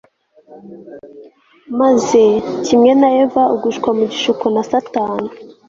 maze kimwe na Eva ugushwa mu gishuko na Satani